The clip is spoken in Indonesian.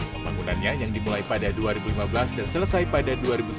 pembangunannya yang dimulai pada dua ribu lima belas dan selesai pada dua ribu tujuh belas